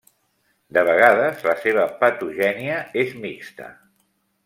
De vegades, la seva patogènia és mixta.